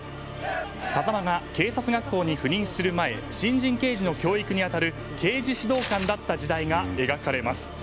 風間が警察学校に赴任する前新人刑事の教育に当たる刑事指導官だった時代が描かれます。